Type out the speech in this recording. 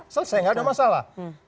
selesai gak ada masalah